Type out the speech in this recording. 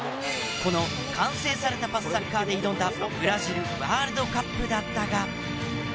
この完成されたパスサッカーで挑んだブラジル・ワールドカップだったが。